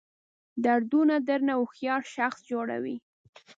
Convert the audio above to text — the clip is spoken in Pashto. دردونه درنه هوښیار شخص جوړوي.